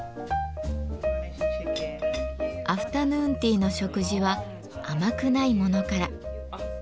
アフタヌーンティーの食事は甘くないものから。